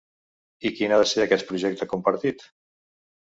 I quin ha de ser aquest projecte compartit?